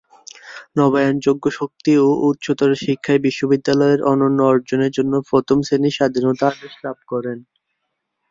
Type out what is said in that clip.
নবায়নযোগ্য শক্তি ও উচ্চতর শিক্ষায় বিশ্ববিদ্যালয়ের অনন্য অর্জনের জন্য প্রথম শ্রেণীর স্বাধীনতা আদেশ লাভ করেন।